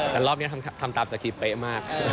แต่รอบนี้ทำตามสคริปเป๊ะมาก